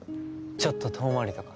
ちょっと遠回りとか。